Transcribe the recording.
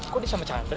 kok dia sama chandra